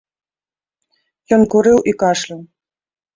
Ён курыў і кашляў.